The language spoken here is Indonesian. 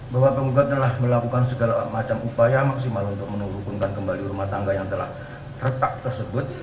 bahwa penggugat telah melakukan segala macam upaya maksimal untuk menurunkan kembali rumah tangga yang telah retak tersebut